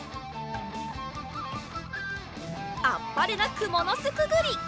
あっぱれなくものすくぐり。